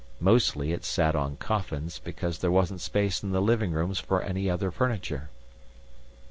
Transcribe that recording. Mostly it sat on coffins, because there wasn't space in the living rooms for any other furniture.